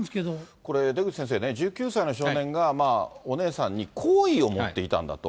これ、出口先生ね、１９歳の少年がお姉さんに好意を持っていたんだと。